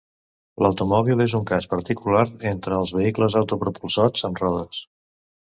L'automòbil és un cas particular entre els vehicles autopropulsats amb rodes.